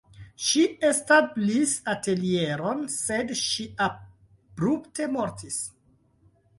Ŝi establis atelieron, sed ŝi abrupte mortis.